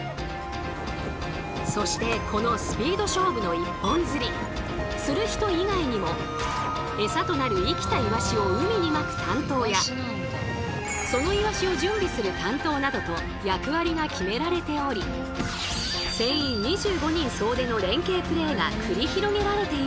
そしてこのスピード勝負の一本釣り釣る人以外にもエサとなる生きたイワシを海にまく担当やそのイワシを準備する担当などと役割が決められており船員２５人総出の連携プレーが繰り広げられているんです。